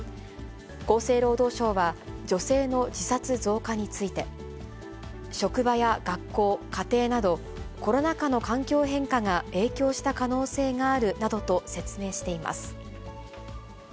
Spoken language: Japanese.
厚生労働省は、女性の自殺増加について、職場や学校、家庭など、コロナ禍の環境変化が影響した可能性があるなどと説明しています。